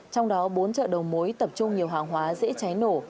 trong đó bốn chợ đầu mối tập trung nhiều hàng hóa dễ cháy nổ